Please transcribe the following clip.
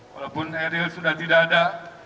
walaupun eril sudah tidak ada